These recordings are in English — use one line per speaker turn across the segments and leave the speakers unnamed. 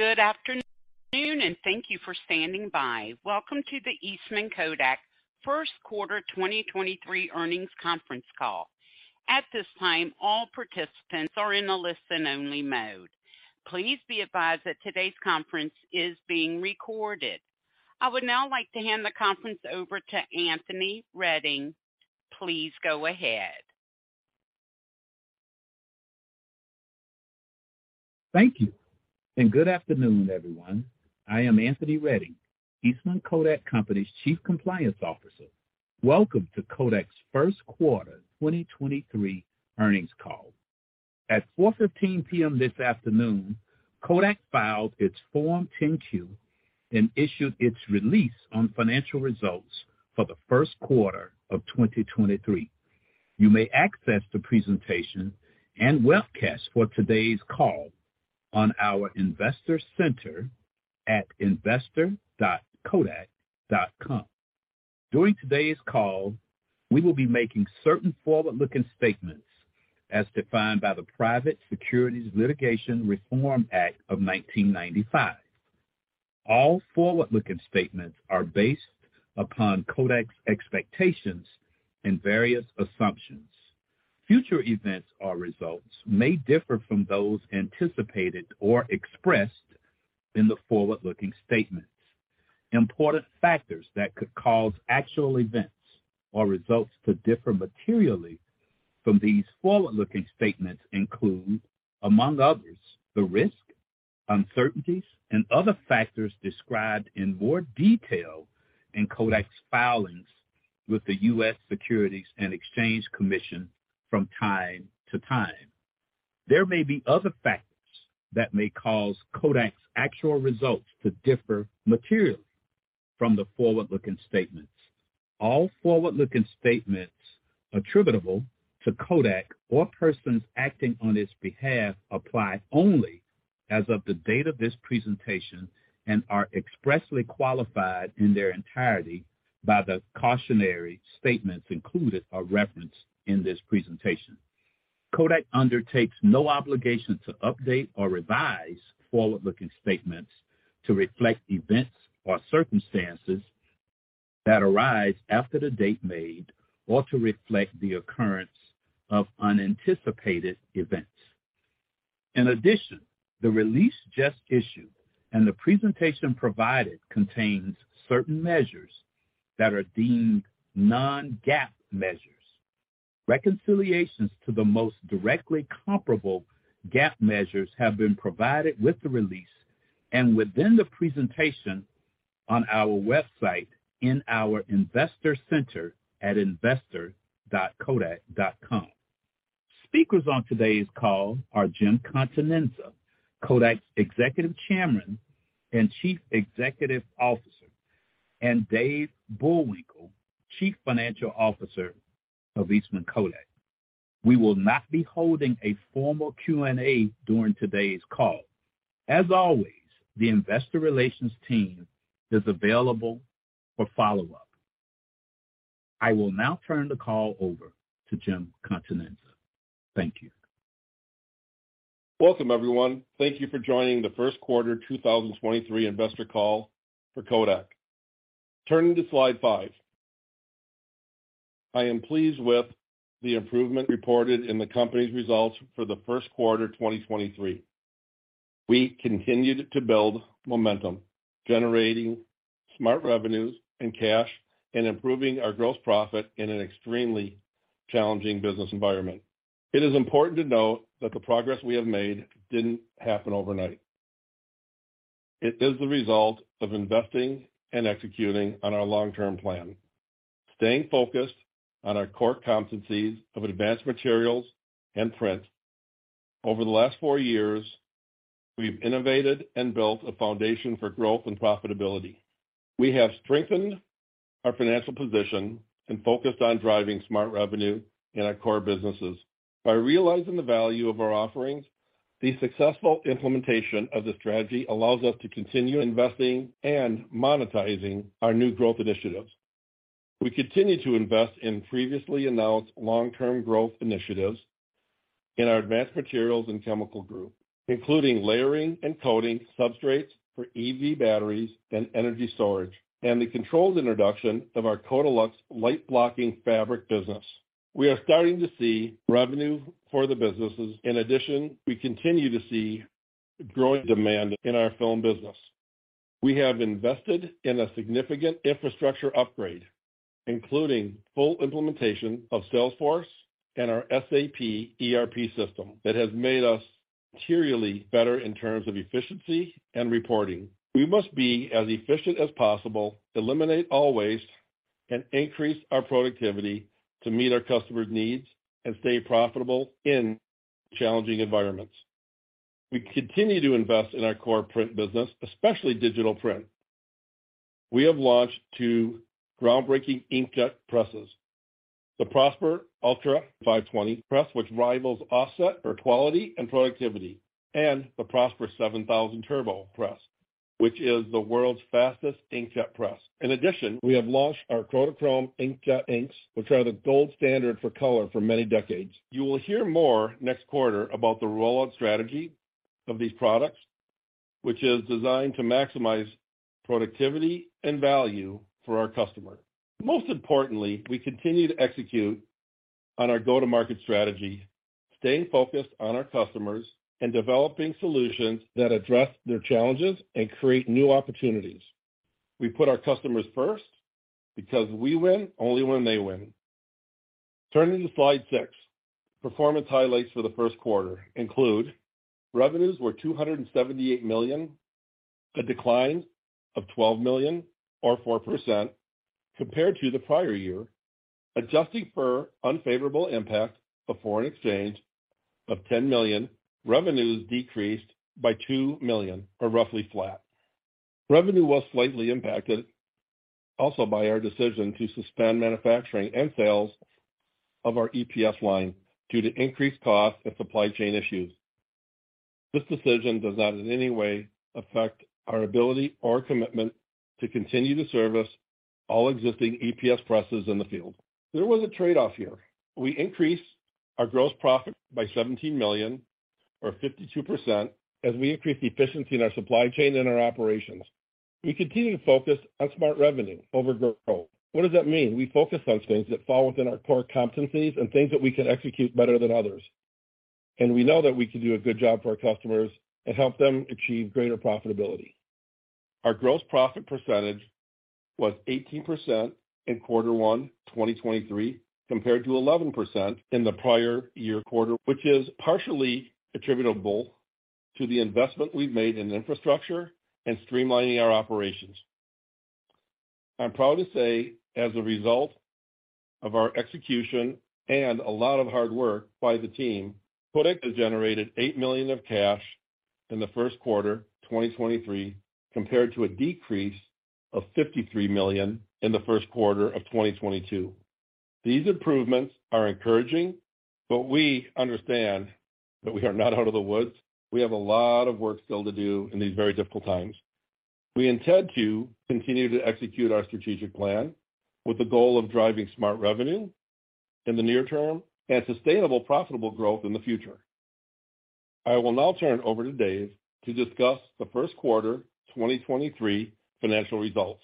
Good afternoon. Thank you for standing by. Welcome to the Eastman Kodak first quarter 2023 earnings conference call. At this time, all participants are in a listen only mode. Please be advised that today's conference is being recorded. I would now like to hand the conference over to Anthony Redding. Please go ahead.
Thank you, good afternoon, everyone. I am Anthony Redding, Eastman Kodak Company's Chief Compliance Officer. Welcome to Kodak's first quarter 2023 earnings call. At 4:15 P.M. this afternoon, Kodak filed its Form 10-Q and issued its release on financial results for the first quarter of 2023. You may access the presentation and webcast for today's call on our investor center at investor.kodak.com. During today's call, we will be making certain forward-looking statements as defined by the Private Securities Litigation Reform Act of 1995. All forward-looking statements are based upon Kodak's expectations and various assumptions. Future events or results may differ from those anticipated or expressed in the forward-looking statements. Important factors that could cause actual events or results to differ materially from these forward-looking statements include, among others, the risk, uncertainties, and other factors described in more detail in Kodak's filings with the U.S. Securities and Exchange Commission from time to time. There may be other factors that may cause Kodak's actual results to differ materially from the forward-looking statements. All forward-looking statements attributable to Kodak or persons acting on its behalf apply only as of the date of this presentation and are expressly qualified in their entirety by the cautionary statements included or referenced in this presentation. Kodak undertakes no obligation to update or revise forward-looking statements to reflect events or circumstances that arise after the date made or to reflect the occurrence of unanticipated events. In addition, the release just issued and the presentation provided contains certain measures that are deemed non-GAAP measures. Reconciliations to the most directly comparable GAAP measures have been provided with the release and within the presentation on our website in our investor center at investor.kodak.com. Speakers on today's call are Jim Continenza, Kodak's Executive Chairman and Chief Executive Officer, and Dave Bullwinkle, Chief Financial Officer of Eastman Kodak. We will not be holding a formal Q&A during today's call. As always, the investor relations team is available for follow-up. I will now turn the call over to Jim Continenza. Thank you.
Welcome, everyone. Thank you for joining the first quarter 2023 investor call for Kodak. Turning to slide five. I am pleased with the improvement reported in the company's results for the first quarter 2023. We continued to build momentum, generating smart revenues and cash, and improving our gross profit in an extremely challenging business environment. It is important to note that the progress we have made didn't happen overnight. It is the result of investing and executing on our long-term plan, staying focused on our core competencies of advanced materials and print. Over the last four years, we've innovated and built a foundation for growth and profitability. We have strengthened our financial position and focused on driving smart revenue in our core businesses. By realizing the value of our offerings, the successful implementation of the strategy allows us to continue investing and monetizing our new growth initiatives. We continue to invest in previously announced long-term growth initiatives in our Advanced Materials and Chemicals group, including layering and coating substrates for EV batteries and energy storage, and the controlled introduction of our KODALUX light-blocking fabric business. We are starting to see revenue for the businesses. We continue to see growing demand in our film business. We have invested in a significant infrastructure upgrade, including full implementation of Salesforce and our SAP ERP system that has made us materially better in terms of efficiency and reporting. We must be as efficient as possible, eliminate all waste, and increase our productivity to meet our customers' needs and stay profitable in challenging environments. We continue to invest in our core print business, especially digital print. We have launched two groundbreaking inkjet presses, the PROSPER Ultra 520 Press, which rivals offset for quality and productivity, and the PROSPER 7000 Turbo Press, which is the world's fastest inkjet press. In addition, we have launched our KODACHROME Inks, which are the gold standard for color for many decades. You will hear more next quarter about the rollout strategy of these products, which is designed to maximize productivity and value for our customers. Most importantly, we continue to execute on our go-to-market strategy, staying focused on our customers and developing solutions that address their challenges and create new opportunities. We put our customers first because we win only when they win. Turning to slide six. Performance highlights for the first quarter include revenues were $278 million, a decline of $12 million or 4% compared to the prior year. Adjusting for unfavorable impact of foreign exchange of $10 million, revenues decreased by $2 million or roughly flat. Revenue was slightly impacted also by our decision to suspend manufacturing and sales of our EPS line due to increased cost and supply chain issues. This decision does not in any way affect our ability or commitment to continue to service all existing EPS presses in the field. There was a trade-off here. We increased our gross profit by $17 million or 52% as we increased the efficiency in our supply chain and our operations. We continue to focus on smart revenue over growth. What does that mean? We focus on things that fall within our core competencies and things that we can execute better than others, and we know that we can do a good job for our customers and help them achieve greater profitability. Our gross profit percentage was 18% in Q1 2023 compared to 11% in the prior year quarter, which is partially attributable to the investment we've made in infrastructure and streamlining our operations. I'm proud to say, as a result of our execution and a lot of hard work by the team, Kodak has generated $8 million of cash in Q1 2023, compared to a decrease of $53 million in Q1 2022. These improvements are encouraging, but we understand that we are not out of the woods. We have a lot of work still to do in these very difficult times. We intend to continue to execute our strategic plan with the goal of driving smart revenue in the near term and sustainable profitable growth in the future. I will now turn over to Dave to discuss the first quarter 2023 financial results.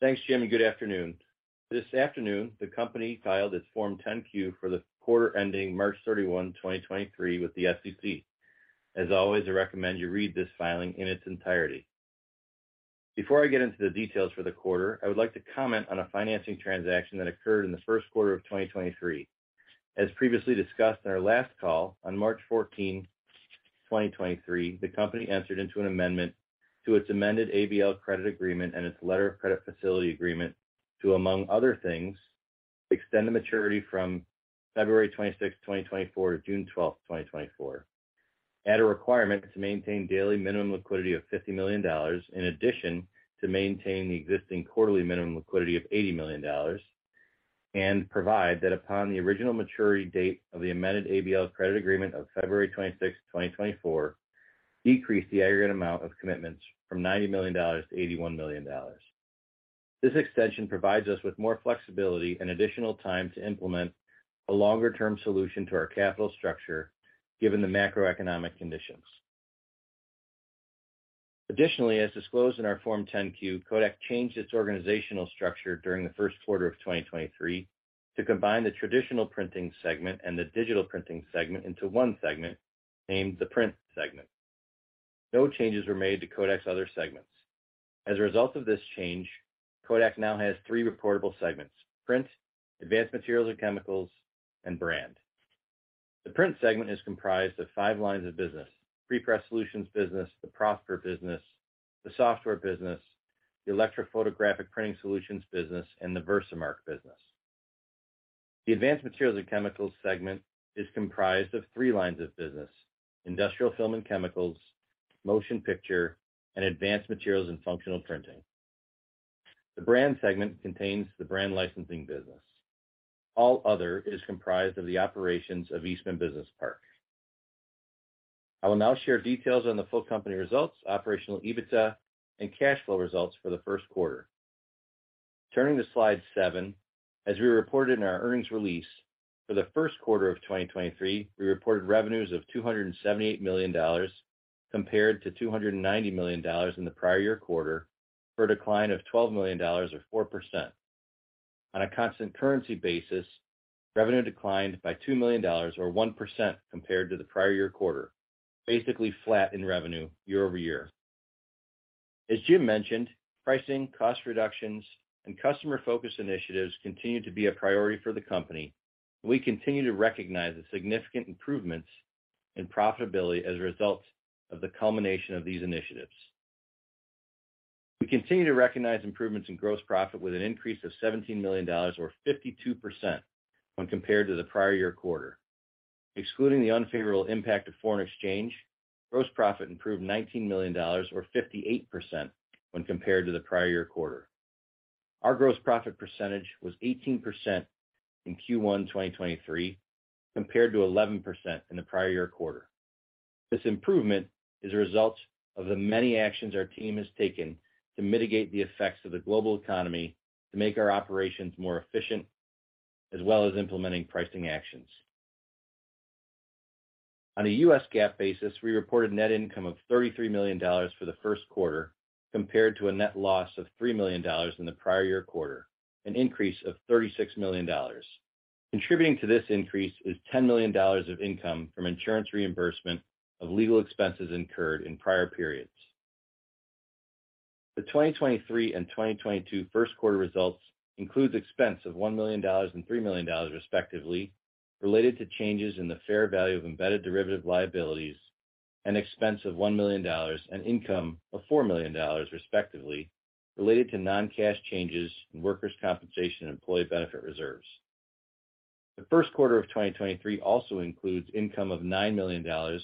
Thanks, Jim. Good afternoon. This afternoon, the company filed its Form 10-Q for the quarter ending March 31, 2023 with the SEC. As always, I recommend you read this filing in its entirety. Before I get into the details for the quarter, I would like to comment on a financing transaction that occurred in the first quarter of 2023. As previously discussed on our last call on March 14, 2023, the company entered into an amendment to its amended ABL Credit Agreement and its letter of credit facility agreement to, among other things, extend the maturity from February 26, 2024 to June 12, 2024. Add a requirement to maintain daily minimum liquidity of $50 million in addition to maintain the existing quarterly minimum liquidity of $80 million. Provide that upon the original maturity date of the amended ABL Credit Agreement of February 26, 2024, decrease the aggregate amount of commitments from $90 million to $81 million. This extension provides us with more flexibility and additional time to implement a longer-term solution to our capital structure, given the macroeconomic conditions. As disclosed in our Form 10-Q, Kodak changed its organizational structure during the first quarter of 2023 to combine the traditional printing segment and the digital printing segment into one segment, named the Print segment. No changes were made to Kodak's other segments. As a result of this change, Kodak now has three reportable segments: Print, Advanced Materials and Chemicals, and Brand. The Print segment is comprised of five lines of business: Prepress Solutions business, the PROSPER business, the software business, the Electrophotographic Printing Solutions business, and the VERSAMARK business. The Advanced Materials and Chemicals segment is comprised of three lines of business: industrial film and chemicals, motion picture, and advanced materials and functional printing. The Brand segment contains the brand licensing business. All other is comprised of the operations of Eastman Business Park. I will now share details on the full company results, Operational EBITDA, and cash flow results for the first quarter. Turning to slide seven. As we reported in our earnings release, for the first quarter of 2023, we reported revenues of $278 million, compared to $290 million in the prior year quarter, for a decline of $12 million or 4%. On a constant currency basis, revenue declined by $2 million or 1% compared to the prior year quarter, basically flat in revenue year-over-year. As Jim mentioned, pricing, cost reductions, and customer focus initiatives continue to be a priority for the company. We continue to recognize the significant improvements in profitability as a result of the culmination of these initiatives. We continue to recognize improvements in gross profit with an increase of $17 million or 52% when compared to the prior year quarter. Excluding the unfavorable impact of foreign exchange, gross profit improved $19 million or 58% when compared to the prior year quarter. Our gross profit percentage was 18% in Q1 2023, compared to 11% in the prior year quarter. This improvement is a result of the many actions our team has taken to mitigate the effects of the global economy to make our operations more efficient, as well as implementing pricing actions. On a U.S. GAAP basis, we reported net income of $33 million for the first quarter, compared to a net loss of $3 million in the prior year quarter, an increase of $36 million. Contributing to this increase is $10 million of income from insurance reimbursement of legal expenses incurred in prior periods. The 2023 and 2022 first quarter results includes expense of $1 million and $3 million, respectively, related to changes in the fair value of embedded derivative liabilities and expense of $1 million and income of $4 million, respectively, related to non-cash changes in workers' compensation and employee benefit reserves. The first quarter of 2023 also includes income of $9 million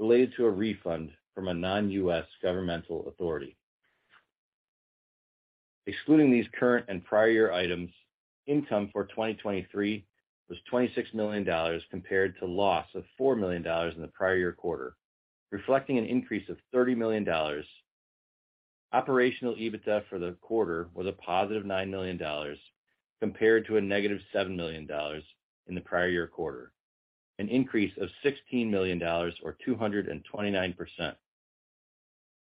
related to a refund from a non-U.S. governmental authority. Excluding these current and prior year items, income for 2023 was $26 million compared to loss of $4 million in the prior year quarter, reflecting an increase of $30 million. Operational EBITDA for the quarter was a +$9 million compared to a -$7 million in the prior year quarter, an increase of $16 million or 229%.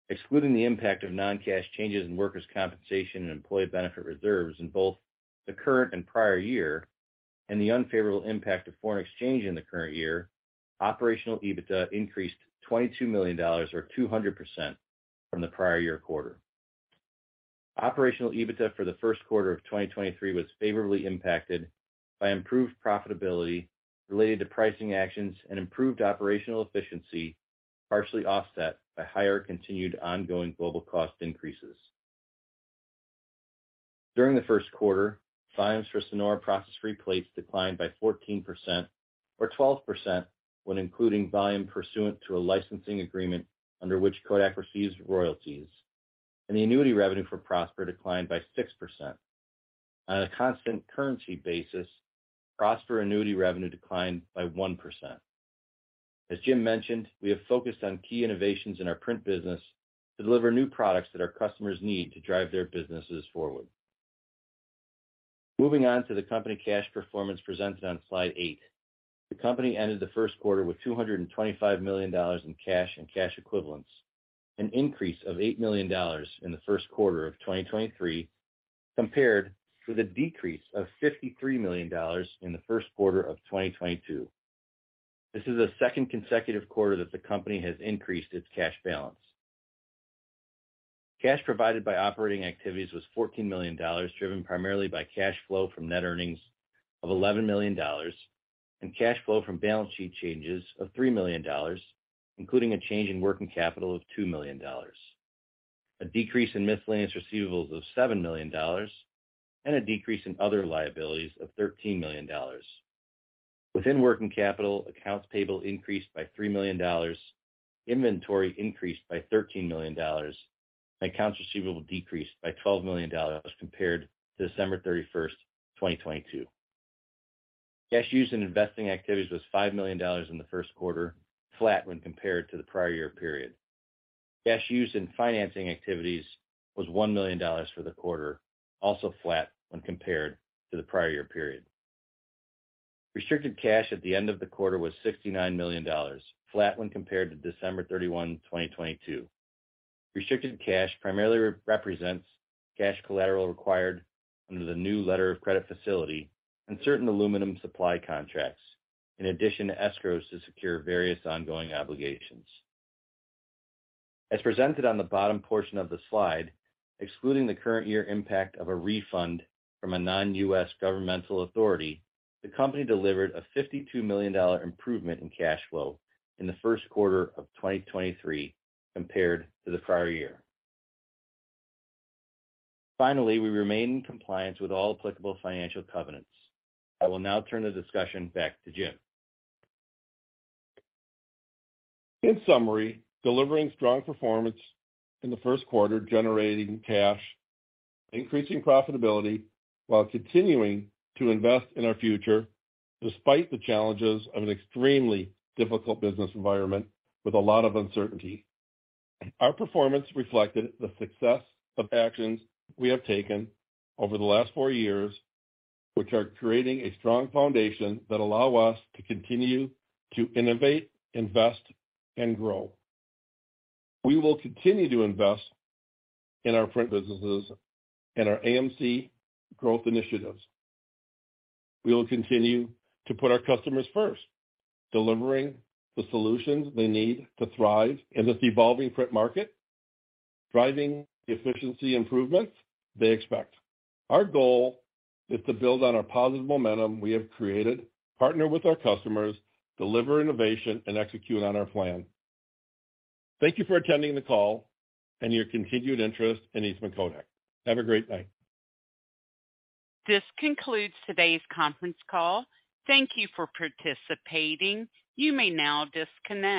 Excluding the impact of non-cash changes in workers' compensation and employee benefit reserves in both the current and prior year, and the unfavorable impact of foreign exchange in the current year, Operational EBITDA increased $22 million or 200% from the prior year quarter. Operational EBITDA for the first quarter of 2023 was favorably impacted by improved profitability related to pricing actions and improved operational efficiency, partially offset by higher continued ongoing global cost increases. During the first quarter, volumes for SONORA Process Free Plates declined by 14%, or 12% when including volume pursuant to a licensing agreement under which Kodak receives royalties, and the annuity revenue for PROSPER declined by 6%. On a constant currency basis, PROSPER annuity revenue declined by 1%. As Jim mentioned, we have focused on key innovations in our Print business to deliver new products that our customers need to drive their businesses forward. Moving on to the company cash performance presented on slide 8. The company ended the first quarter with $225 million in cash and cash equivalents, an increase of $8 million in the first quarter of 2023, compared with a decrease of $53 million in the first quarter of 2022. This is the second consecutive quarter that the company has increased its cash balance. Cash provided by operating activities was $14 million, driven primarily by cash flow from net earnings of $11 million and cash flow from balance sheet changes of $3 million, including a change in working capital of $2 million. A decrease in miscellaneous receivables of $7 million and a decrease in other liabilities of $13 million. Within working capital, accounts payable increased by $3 million, inventory increased by $13 million, and accounts receivable decreased by $12 million compared to December 31, 2022. Cash used in investing activities was $5 million in the first quarter, flat when compared to the prior year period. Cash used in financing activities was $1 million for the quarter, also flat when compared to the prior year period. Restricted cash at the end of the quarter was $69 million, flat when compared to December 31, 2022. Restricted cash primarily re-represents cash collateral required under the new letter of credit facility and certain aluminum supply contracts, in addition to escrows to secure various ongoing obligations. As presented on the bottom portion of the slide, excluding the current year impact of a refund from a non-U.S. governmental authority, the company delivered a $52 million improvement in cash flow in the first quarter of 2023 compared to the prior year. Finally, we remain in compliance with all applicable financial covenants. I will now turn the discussion back to Jim.
In summary, delivering strong performance in the first quarter, generating cash, increasing profitability while continuing to invest in our future, despite the challenges of an extremely difficult business environment with a lot of uncertainty. Our performance reflected the success of actions we have taken over the last four years, which are creating a strong foundation that allow us to continue to innovate, invest, and grow. We will continue to invest in our Print businesses and our AMC growth initiatives. We will continue to put our customers first, delivering the solutions they need to thrive in this evolving print market, driving the efficiency improvements they expect. Our goal is to build on our positive momentum we have created, partner with our customers, deliver innovation, and execute on our plan. Thank you for attending the call and your continued interest in Eastman Kodak. Have a great night.
This concludes today's conference call. Thank you for participating. You may now disconnect.